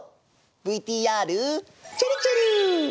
ＶＴＲちぇるちぇる。